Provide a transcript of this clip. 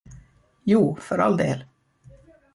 Jo, för all del.